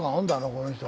この人。